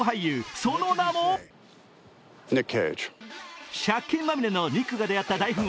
その名も借金まみれのニックが出会った大富豪。